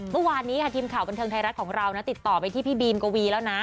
เมื่อวานนี้ค่ะทีมข่าวบันเทิงไทยรัฐของเรานะติดต่อไปที่พี่บีมกวีแล้วนะ